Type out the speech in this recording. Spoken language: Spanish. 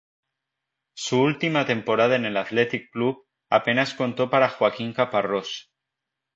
Su última temporada en el Athletic Club, apenas contó para Joaquín Caparrós.